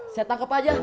saya tangkap aja